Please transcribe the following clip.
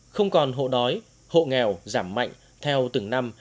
không còn hộ đói hộ nghèo giảm mạnh theo từng năm